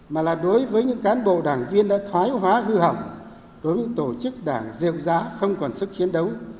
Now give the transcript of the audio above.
mà là đối với những cán bộ đảng viên đã thoái hóa hư hỏng đối với những tổ chức đảng rêu giá không còn sức chiến đấu